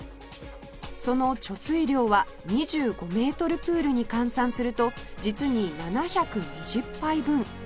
その貯水量は２５メートルプールに換算すると実に７２０杯分